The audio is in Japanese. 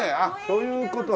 そういう事ね。